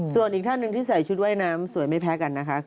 ส่วนอีกท่านหนึ่งที่ใส่ชุดว่ายน้ำสวยไม่แพ้กันนะคะ